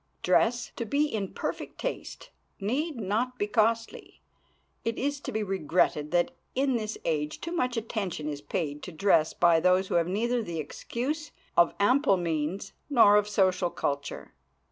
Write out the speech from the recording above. Dress, to be in perfect taste, need not be costly. It is to be regretted that in this age too much attention is paid to dress by those who have neither the excuse of ample means nor of social culture.